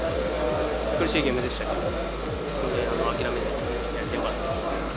苦しいゲームでしたけど、本当に諦めずにやってよかったと思います。